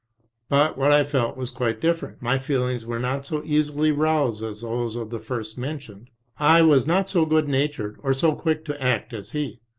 But what I felt was quite different. My feelings were not so easily roused as those of the first mentioned; I was not so good natured or so quick to act as he.